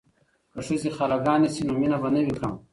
که ښځې خاله ګانې شي نو مینه به نه وي کمه.